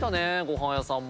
ご飯屋さん。